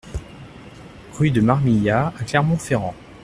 Rue de Marmillat à Clermont-Ferrand